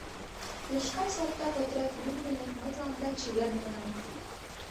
Йошкар салтак отряд лӱм дене мый тыланда «чеверын!» манам.